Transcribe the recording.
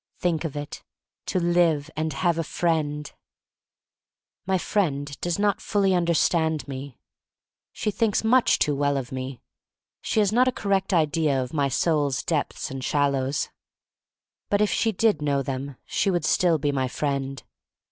Think of it — to live and have a friend! THE STORY OF MARY MAC LANE 4 1 My friend does not fully understand me; she thinks much too well of me. She has not a correct idea of my soul's depths and shallows. But if she did know them she would still be my friend.